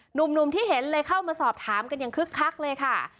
หนุ่มที่เห็นเลยเข้ามาสอบถามกันอย่างคึกคักเลยค่ะ